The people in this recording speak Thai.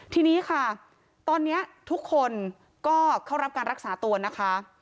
ทีนี้ค่ะตอนนี้ทุกคนก็เข้ารับการรักษาตัวนะคะ